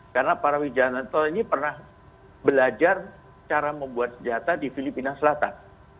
karena para wijayanto ini pernah belajar cara membuat senjata di filipina selatan